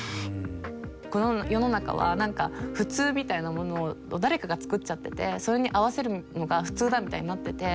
この世の中は何か普通みたいなものを誰かがつくっちゃっててそれに合わせるのが普通だみたいになってて。